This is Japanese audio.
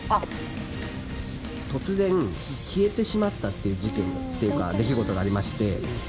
突然消えてしまったっていう事件っていうか出来事がありまして。